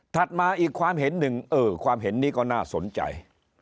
มาอีกความเห็นหนึ่งเออความเห็นนี้ก็น่าสนใจ